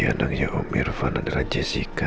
yang namanya om irfan adalah jessica